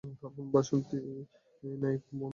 তার বোন বাসন্তী নায়েক বোম্বে হাইকোর্টের বিচারক।